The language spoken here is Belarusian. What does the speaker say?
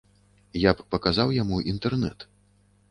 Я б паказаў яму інтэрнэт.